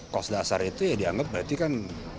kos dasar itu ya dianggap berarti kan